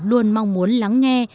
luôn mong muốn lắng nghe